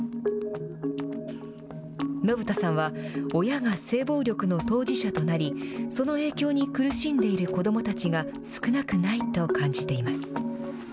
信田さんは、親が性暴力の当事者となり、その影響に苦しんでいる子どもたちが少なくないと感じています。